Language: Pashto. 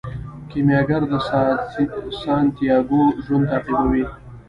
کیمیاګر د سانتیاګو ژوند تعقیبوي.